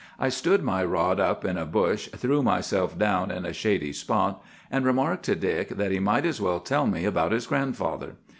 I stood my rod up in a bush, threw myself down in a shady spot, and remarked to Dick that he might as well tell me about his grandfather.